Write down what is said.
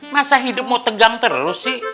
masa hidup mau tegang terus sih